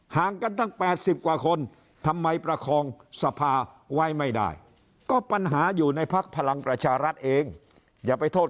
ห่างกันตั้ง๘๐กว่าคนทำไมประคองสภาไว้ไม่ได้ก็ปัญหาอยู่ในพักพลังประชารัฐเองอย่าไปโทษ